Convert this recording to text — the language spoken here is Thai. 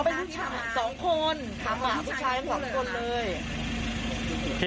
เพราะเป็นผู้ชาย๒คนหาผู้ชายต่ำ๒คนเลย